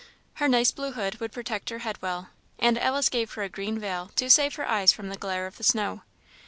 Her nice blue hood would protect her head well, and Alice gave her a green veil to save her eyes from the glare of the snow.